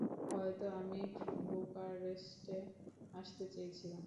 হয়তো আমি বুকারেস্টে আসতে চেয়েছিলাম।